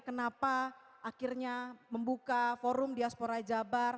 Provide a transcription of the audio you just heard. kenapa akhirnya membuka forum diaspora jabar